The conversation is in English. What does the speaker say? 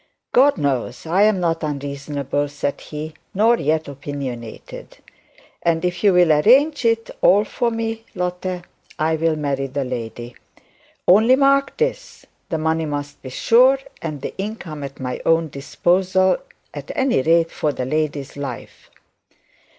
'God knows I am not unreasonable,' said he, 'nor yet opinionated; and if you'll arrange it for me, Lotte, I'll marry the lady. Only mark this: the money must be sure, and the income at my own disposal, at any rate for the lady's life.'